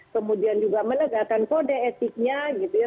kemudian juga menegakkan kode etiknya gitu ya